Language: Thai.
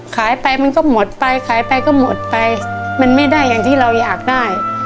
ขายไปมันก็หมดไปขายไปก็หมดไปมันไม่ได้อย่างที่เราอยากได้